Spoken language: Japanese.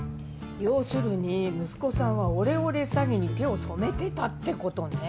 要するに息子さんはオレオレ詐欺に手を染めてたって事ね。